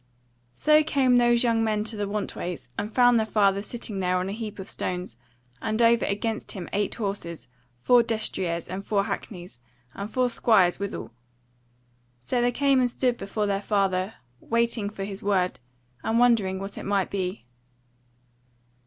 So came those young men to the Want ways, and found their father sitting there on a heap of stones, and over against him eight horses, four destriers, and four hackneys, and four squires withal. So they came and stood before their father, waiting for his word, and wondering what it would be.